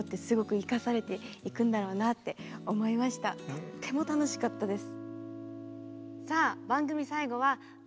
とっても楽しかったです。